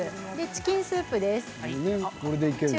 チキンスープです。